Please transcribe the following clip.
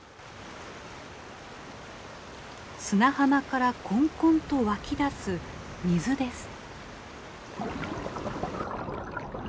砂浜からこんこんと湧き出す水です。